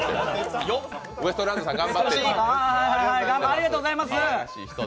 ありがとうございます。